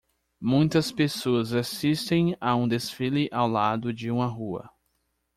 Muitas pessoas assistem a um desfile ao lado de uma rua.